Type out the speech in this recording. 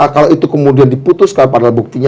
kalau itu kemudian diputuskan padahal buktinya